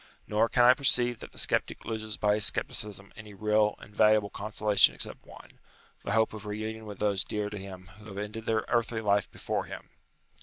Nor can I perceive that the sceptic loses by his scepticism any real and valuable consolation except one ; the hope of reunion with those dear to him who have ended their earthly life before him.